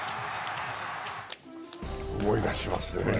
思い出しますね。